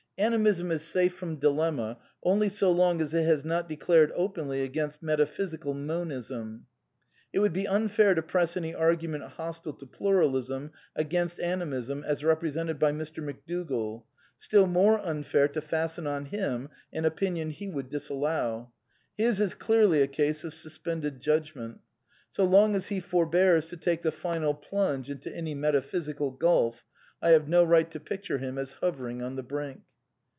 Animism is safe from dilemma only so long as it has not declared openly against metaphysical Monism. It would be unfair to press any argument hostile to Pluralism against Animism as represented by Mr. McDougall, still more unfair to fasten on him an opinion he would dis allow. His is clearly a case of suspended judgment. So long as he forbears to take the final plunge into any meta physical gulf I have no right to. picture him as hovering on the brink.